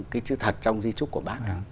cái chữ thật trong di trúc của bác